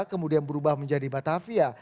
kemudian berubah menjadi batavia